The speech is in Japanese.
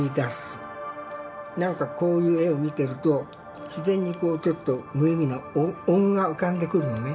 なんかこういう絵を見てると自然にこうちょっと無意味な音が浮かんでくるのね。